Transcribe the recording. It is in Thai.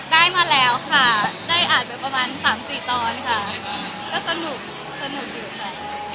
ได้มาแล้วค่ะได้อ่านไปประมาณ๓๔ตอนค่ะก็สนุกสนุกอยู่ค่ะ